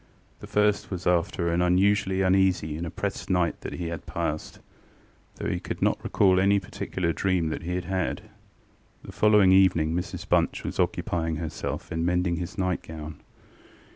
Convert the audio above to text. The first was after an unusually uneasy and oppressed night that he had passedŌĆöthough he could not recall any particular dream that he had had. The following evening Mrs Bunch was occupying herself in mending his nightgown.